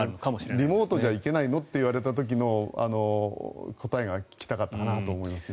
リモートじゃいけないの？と言われた時の答えが聞きたかったかなと思いますね。